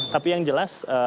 tapi yang jelas